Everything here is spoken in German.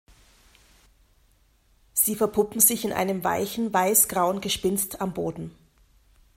Sie verpuppen sich in einem weichen, weiß-grauen Gespinst am Boden.